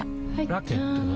ラケットは？